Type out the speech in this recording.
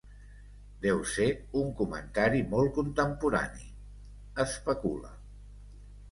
Deu ser un comentari molt contemporani, especula.